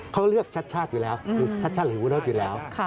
เขาเลือกชัดชาติอยู่แล้วหรือชัดชาติหรือฟุรสอยู่แล้ว